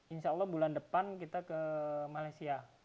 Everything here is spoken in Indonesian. insya allah bulan depan kita ke malaysia